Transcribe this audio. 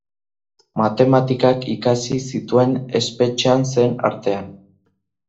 Matematikak ikasi zituen espetxean zen artean.